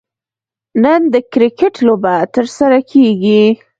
نن د کرکټ لوبه ترسره کیږي